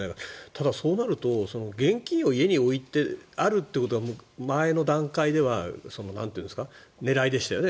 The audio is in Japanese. ただ、そうなると現金が家に置いてあるということが前の段階では狙いでしたよね。